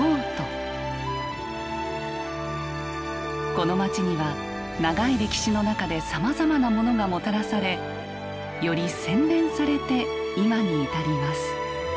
この街には長い歴史の中でさまざまなモノがもたらされより洗練されて今に至ります。